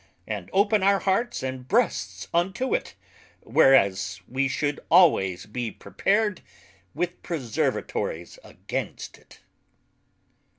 and open our hearts and breasts unto it; whereas we should alwayes be prepared with preservatories against it.